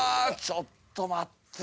ちょっと待って。